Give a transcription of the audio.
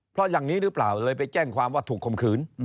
เพราะอย่างนี้หรือเปล่าเลยไปแจ้งความว่าถูกคมขืน